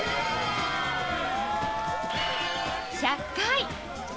１００回！